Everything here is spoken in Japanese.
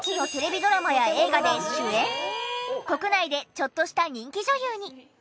国内でちょっとした人気女優に。